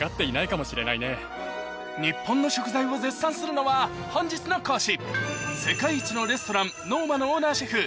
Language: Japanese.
日本の食材を絶賛するのは本日の講師